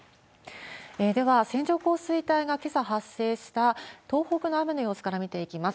では、線状降水帯がけさ発生した、東北の雨の様子から見ていきます。